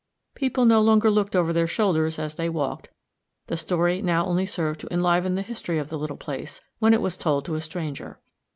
People no longer looked over their shoulders as they walked; the story now only served to enliven the history of the little place, when it was told to a stranger.